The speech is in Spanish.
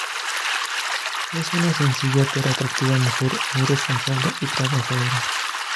Es una sencilla pero atractiva mujer, muy responsable y trabajadora.